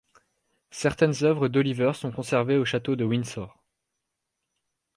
Certaines œuvres d'Oliver sont conservées au Château de Windsor.